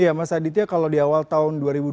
iya mas aditya kalau di awal tahun